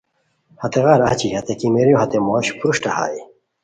ہیغار اچی ہتے کیمیریو ہتے موش پروشٹہ ہائے